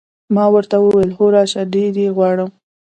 ما ورته وویل: هو، راشه، ډېر یې غواړم.